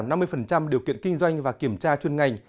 nghị định sẽ giảm năm mươi điều kiện kinh doanh và kiểm tra chuyên ngành